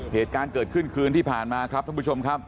เหตุการณ์เกิดขึ้นคืนที่ผ่านมาครับท่านผู้ชมครับ